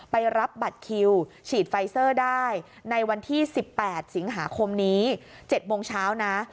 ไปรับบัตรคิวฉีดไฟเซอร์ได้ในวันที่๑๘สิงหาคมนี้๗โมงเช้านะ